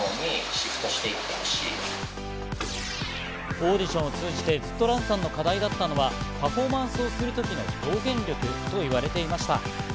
オーディションを通じてずっとＲＡＮさんの課題だったのは、パフォーマンスをする時の表現力と言われていました。